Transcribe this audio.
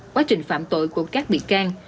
quá trình phạm tội của các bị can